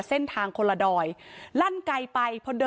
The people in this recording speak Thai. เพราะพ่อเชื่อกับจ้างหักข้าวโพด